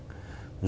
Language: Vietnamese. với các bạn